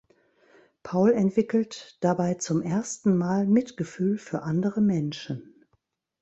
Paul entwickelt dabei zum ersten Mal Mitgefühl für andere Menschen.